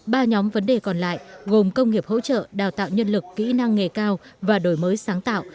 ba nhóm vấn đề còn lại gồm công nghiệp hỗ trợ đào tạo nhân lực kỹ năng nghề cao và đổi mới sáng tạo